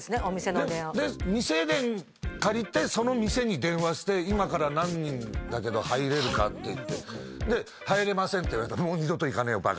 お店の電話店電借りてその店に電話して今から何人だけど入れるかって言ってで入れませんって言われたらもう二度と行かねえよ